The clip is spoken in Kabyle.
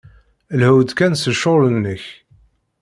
Lhu-d kan s ccɣel-nnek.